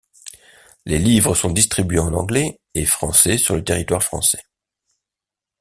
Les livres sont distribués en anglais et français sur le territoire français.